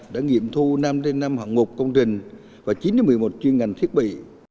đã nghiệm thu năm năm hạng ngục công trình và chín một mươi một chuyên ngành thiết bị